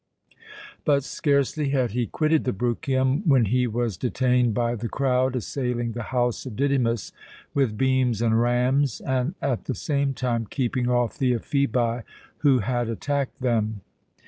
But scarcely had he quitted the Bruchium when he was detained by the crowd assailing the house of Didymus with beams and rams, and at the same time keeping off the Ephebi who had attacked them.